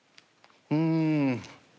うん。